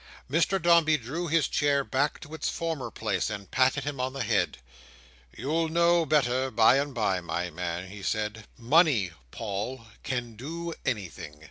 Mr Dombey drew his chair back to its former place, and patted him on the head. "You'll know better by and by, my man," he said. "Money, Paul, can do anything."